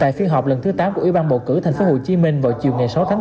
tại phí hợp năm thứ tám của ubtc của tp hcm vào chiều sáu bốn